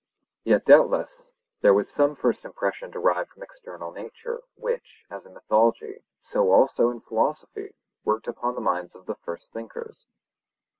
Yet, doubtless, there was some first impression derived from external nature, which, as in mythology, so also in philosophy, worked upon the minds of the first thinkers.